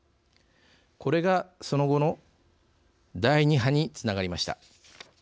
これがその後の第２波につながりました。